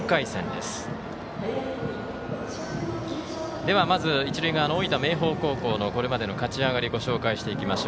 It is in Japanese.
では、まず一塁側の大分、明豊高校のこれまでの勝ち上がりご紹介していきます。